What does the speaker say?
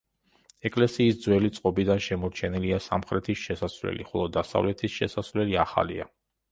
ეკლესიის ძველი წყობიდან შემორჩენილია სამხრეთის შესასვლელი, ხოლო დასავლეთის შესასვლელი ახალია.